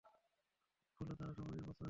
ফলে তারা সবাই এ প্রস্তাবে একমত হয়।